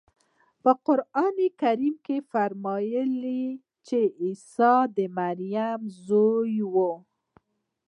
په قرانکریم کې فرمایي چې عیسی د مریم زوی وویل.